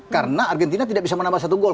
karena argentina tidak bisa menambah satu gol